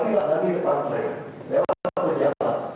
dia balik kali pak